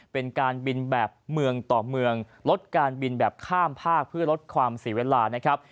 เป็นการบินแบบเมืองต่อเมืองลดการบินแบบข้ามภาคเพื่อลดความเสียเวลานะครับ